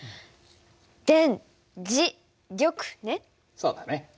そうだね。